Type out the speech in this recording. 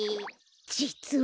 じつは。